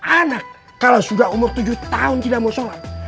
anak kalau sudah umur tujuh tahun tidak mau sholat